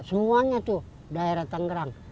semuanya tuh daerah tangerang